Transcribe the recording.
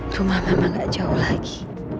rumah memang gak jauh lagi